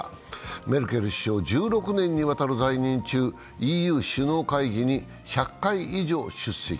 メルケル首相は１６年にわたる在任中、ＥＵ首脳会議に１００回以上出席。